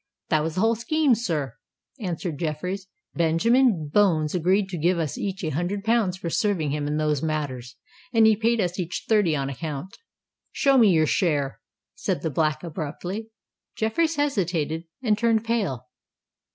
"That was the whole scheme, sir," answered Jeffreys. "Benjamin Bones agreed to give us each a hundred pounds for serving him in those matters, and he paid us each thirty on account." "Show me your share," said the Black, abruptly. Jeffreys hesitated, and turned pale.